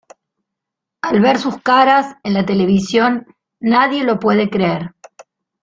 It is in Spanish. Al ver sus caras en la televisión nadie lo puede creer.